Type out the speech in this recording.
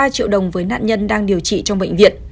ba triệu đồng với nạn nhân đang điều trị trong bệnh viện